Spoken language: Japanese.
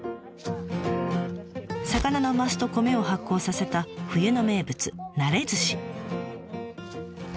魚のマスと米を発酵させた冬の名物「なれずし」。